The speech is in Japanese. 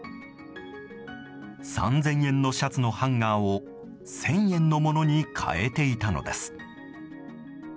３０００円のシャツのハンガーを１０００円のものに変えていたのです。